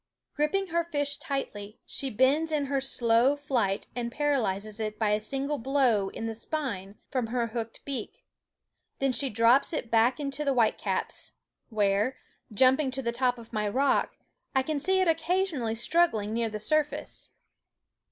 Gripping her fish tightly, she bends in her slow flight and paralyzes it by a single blow in the spine from her hooked beak. Then she drops it back into the whitecaps, where, jumping to the top of my rock, I can see it occasionally struggling near the surface.